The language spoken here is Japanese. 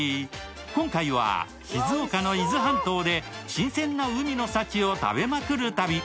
今回は静岡の伊豆半島で新鮮な海の幸を食べまくる旅。